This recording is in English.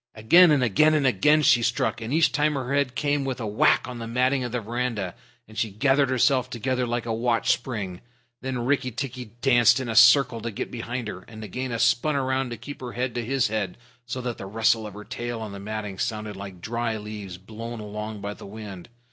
Again and again and again she struck, and each time her head came with a whack on the matting of the veranda and she gathered herself together like a watch spring. Then Rikki tikki danced in a circle to get behind her, and Nagaina spun round to keep her head to his head, so that the rustle of her tail on the matting sounded like dry leaves blown along by the wind.